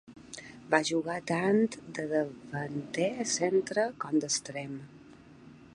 Va jugar tant de davanter centre com d'extrem.